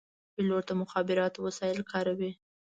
پیلوټ د مخابراتو وسایل کاروي.